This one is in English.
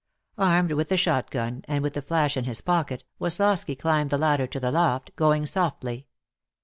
Armed with the shotgun, and with the flash in his pocket, Woslosky climbed the ladder to the loft, going softly.